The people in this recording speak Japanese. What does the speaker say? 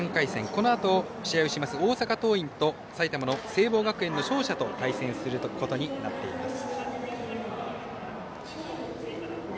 このあと試合をします大阪桐蔭と埼玉、聖望学園の勝者と対戦することになっています。